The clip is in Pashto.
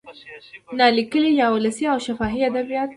نا لیکلي یا ولسي او شفاهي ادبیات